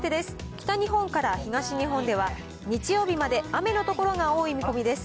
北日本から東日本では日曜日まで雨の所が多い見込みです。